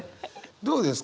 どうですか？